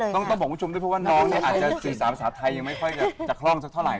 ต้องบอกคุณผู้ชมด้วยเพราะว่าน้องเนี่ยอาจจะสื่อสารภาษาไทยยังไม่ค่อยจะคล่องสักเท่าไห